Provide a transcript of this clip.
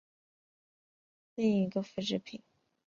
另外一个复制品在史密松森的国家航空暨太空博物馆展出。